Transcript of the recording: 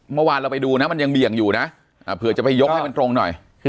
เมื่อวานเราไปดูนะมันยังเบี่ยงอยู่นะเผื่อจะไปยกให้มันตรงหน่อย